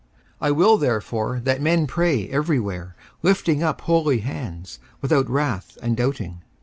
54:002:008 I will therefore that men pray every where, lifting up holy hands, without wrath and doubting.